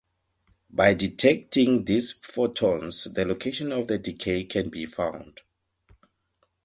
By detecting these photons the location of the decay can be found.